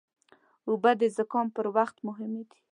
اوبه د زکام پر وخت مهمې دي.